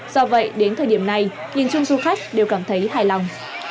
do vậy đến thời điểm này nhìn chung du khách đều cảm thấy hài lòng